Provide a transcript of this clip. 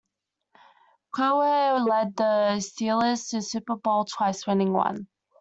Cowher led the Steelers to the Super Bowl twice, winning one.